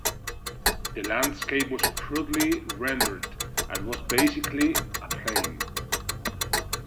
The landscape was crudely rendered, and was basically a plane.